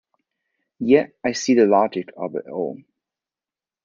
Yet I see the logic of it all.